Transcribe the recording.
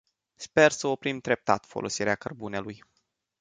Sper să oprim treptat folosirea cărbunelui.